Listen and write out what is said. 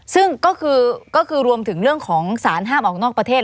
ซึ่งก็คือรวมถึงเรื่องของสารห้ามออกนอกประเทศ